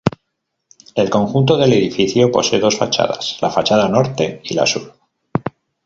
El conjunto del edificio posee dos fachadas: la fachada norte y la sur.